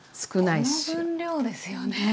いやこの分量ですよね。